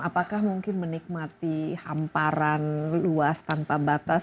apakah mungkin menikmati hamparan luas tanpa batas